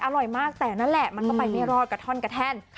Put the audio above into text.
อร่อยมากแต่นั่นแหละมันก็ไปไม่รอดกระท่อนกระแท่น